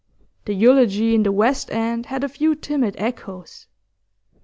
The eulogy in The West End had a few timid echoes.